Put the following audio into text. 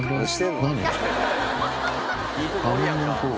何？